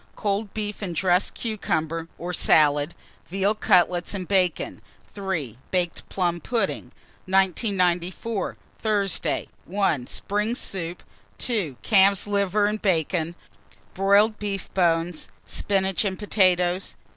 Cold beef and dressed cucumber or salad, veal cutlets and bacon. 3. Baked plum pudding. 1994. Thursday. 1. Spring soup. 2. Calf's liver and bacon, broiled beef bones, spinach and potatoes.